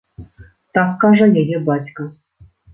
Так кажа яе бацька.